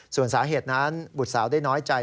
ส่วนสาเหตุนั้นบุตรสาวได้น้อยใจ